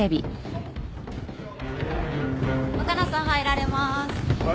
若菜さん入られます。